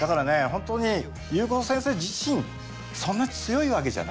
本当に夕子先生自身そんな強いわけじゃない。